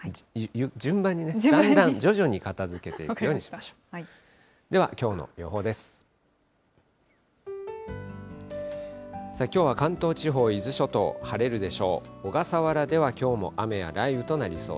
順番にね、だんだん、徐々に片づけていくようにしましょう。